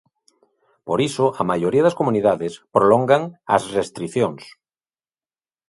Por iso a maioría das comunidades prolongan as restricións.